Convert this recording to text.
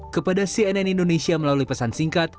kepada cnn indonesia melalui pesan singkat